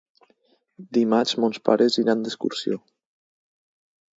Dimarts mons pares iran d'excursió.